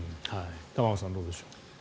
玉川さん、どうでしょう。